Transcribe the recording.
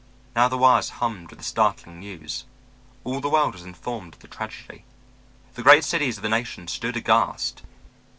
Now the wires hummed with the startling news. All the world was informed of the tragedy. The great cities of the nation stood aghast.